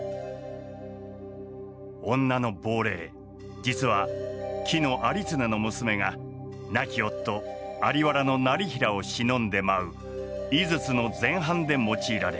女の亡霊実は紀有常の娘が亡き夫在原業平を偲んで舞う「井筒」の前半で用いられる。